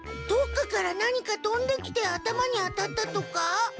どっかから何かとんできて頭に当たったとか？